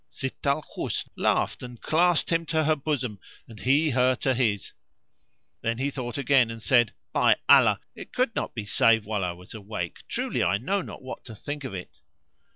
Sitt al Husn laughed and clasped him to her bosom and he her to his: then he thought again and said, "By Allah, it could not be save while I was awake: truly I know not what to think of it."